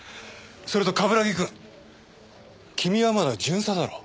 それと冠城くん君はまだ巡査だろ。